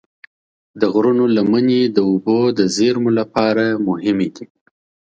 د غرونو لمنې د اوبو د زیرمو لپاره مهمې دي.